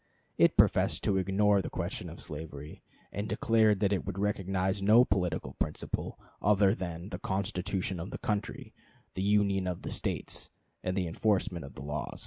It professed to ignore the question of slavery, and declared that it would recognize no political principle other than "the Constitution of the Country, the Union of the States, and the enforcement of the Laws."